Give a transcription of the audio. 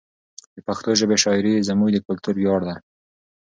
د پښتو ژبې شاعري زموږ د کلتور ویاړ ده.